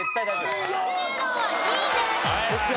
きつねうどんは２位です。